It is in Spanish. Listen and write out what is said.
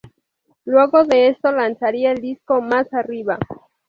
Luego de esto lanzaría el disco "Más arriba".